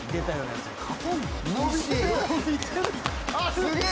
すげえ！